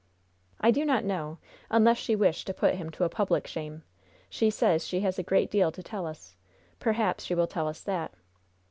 "I do not know, unless she wished to put him to a public shame. She says she has a great deal to tell us; perhaps she will tell us that."